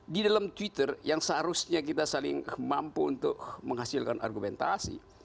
di dalam twitter yang seharusnya kita saling mampu untuk menghasilkan argumentasi